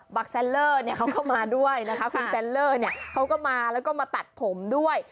แซนเลอร์เขาก็มาด้วยนะคะคุณแซนเลอร์เนี่ยเขาก็มาแล้วก็มาตัดผมด้วย